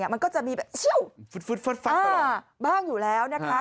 มันก็จะมีแบบชิ้วบ้างอยู่แล้วนะคะ